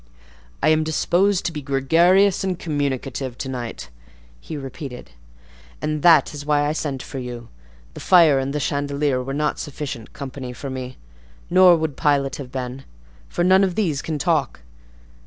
"I am disposed to be gregarious and communicative to night," he repeated, "and that is why I sent for you: the fire and the chandelier were not sufficient company for me; nor would Pilot have been, for none of these can talk.